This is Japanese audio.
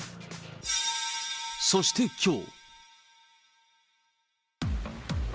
そしてきょう。